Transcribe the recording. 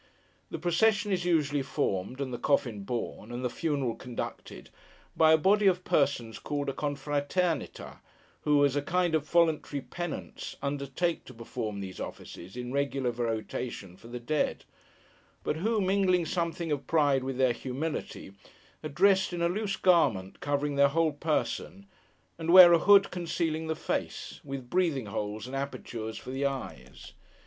The procession is usually formed, and the coffin borne, and the funeral conducted, by a body of persons called a Confratérnita, who, as a kind of voluntary penance, undertake to perform these offices, in regular rotation, for the dead; but who, mingling something of pride with their humility, are dressed in a loose garment covering their whole person, and wear a hood concealing the face; with breathing holes and apertures for the eyes.